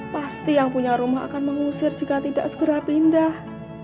pasti yang punya rumah akan mengusir jika tidak segera pindah